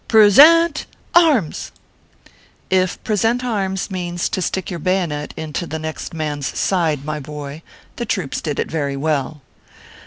" Present Arms !" Tf Present Arms means to stick your bayonet into the next man s side, my boy, the troops did it very well.